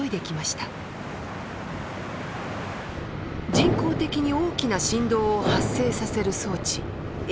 人工的に大きな振動を発生させる装置エアガンです。